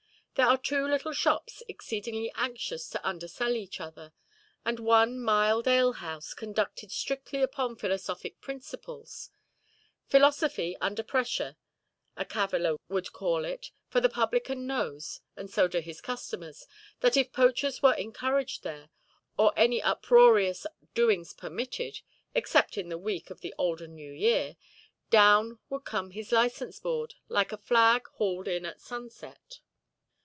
There are two little shops exceedingly anxious to under–sell each other, and one mild alehouse conducted strictly upon philosophic principles. Philosophy under pressure, a caviller would call it, for the publican knows, and so do his customers, that if poachers were encouraged there, or any uproarious doings permitted (except in the week of the old and new year), down would come his license–board, like a flag hauled in at sunset.